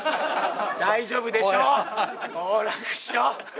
大丈夫でしょ、好楽師匠。